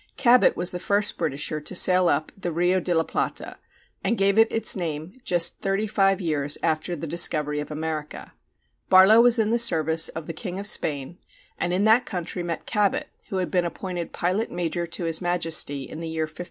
Cabot was the first Britisher to sail up the Rio de la Plata, and gave it its name just thirty five years after the discovery of America. Barlow was in the service of the king of Spain, and in that country met Cabot, who had been appointed Pilot Major to his Majesty in the year 1518.